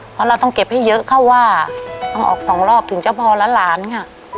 เพราะเราต้องเก็บให้เยอะเข้าว่าต้องออกสองรอบถึงเจ้าพ่อและหลานค่ะ